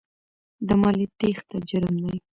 د مالیې تېښته جرم دی.